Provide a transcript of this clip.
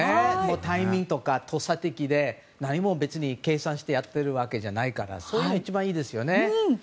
タイミングとか、とっさで何も別に計算してやっているわけじゃないからそういうの一番いいですよね。